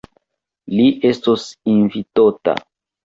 Li estos invitota.